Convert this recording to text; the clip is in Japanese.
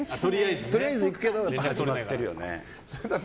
とりあえず行くけど始まってるよね。